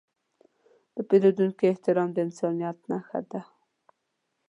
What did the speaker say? د پیرودونکي احترام د انسانیت نښه ده.